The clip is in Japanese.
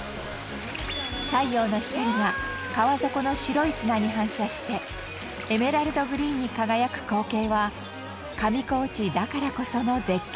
太陽の光が川底の白い砂に反射してエメラルドグリーンに輝く光景は上高地だからこその絶景。